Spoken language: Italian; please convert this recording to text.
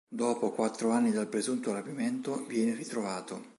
Dopo quattro anni dal presunto rapimento viene ritrovato.